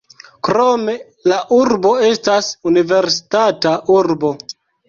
Krome la urbo estas universitata urbo.